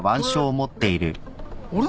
あれ？